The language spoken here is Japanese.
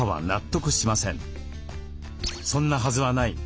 「そんなはずはない。